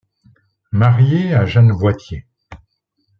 Marié à Jeanne Woitier.